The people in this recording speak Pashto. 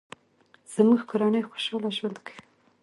زموږ کورنۍ خوشحاله ژوند کوي